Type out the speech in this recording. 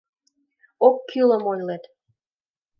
Оккӱлым ойлет.